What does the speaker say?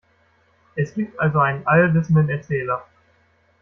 Es gibt also einen allwissenden Erzähler.